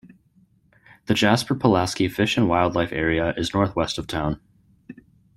The Jasper-Pulaski Fish and Wildlife Area is northwest of town.